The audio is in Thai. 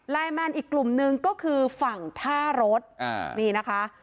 แมนอีกกลุ่มหนึ่งก็คือฝั่งท่ารถนี่นะคะ